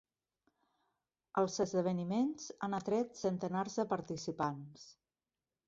Els esdeveniments han atret centenars de participants.